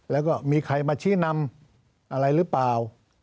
แล้วก็มีใครมาชี้นำอะไรหรือเปล่า